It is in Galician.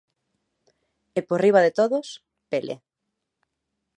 E por riba de todos, Pelé.